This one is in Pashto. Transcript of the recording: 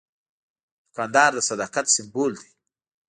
دوکاندار د صداقت سمبول دی.